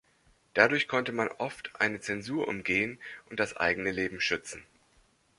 Dadurch konnte man oft eine Zensur umgehen und das eigene Leben schützen.